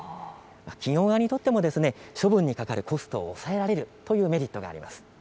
企業側にとっても処分にかかるコストを抑えられるというメリットがあります。